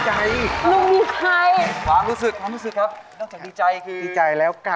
ช่วยฝังดินหรือกว่า